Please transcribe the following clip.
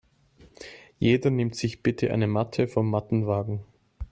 Jeder nimmt sich bitte eine Matte vom Mattenwagen.